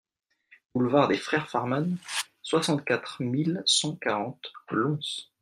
Boulevard des Frères Farman, soixante-quatre mille cent quarante Lons